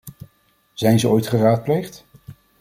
Zijn ze ooit geraadpleegd?